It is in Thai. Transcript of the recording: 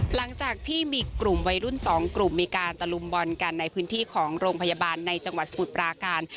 หลังจากที่มีกลุ่มวัยรุ่นสองกลุ่มมีการตะลุมบอลกันในพื้นที่ของโรงพยาบาลในจังหวัดสมุทรปราการ